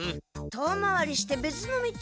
遠回りしてべつの道をさがす？